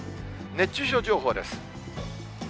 熱中症情報です。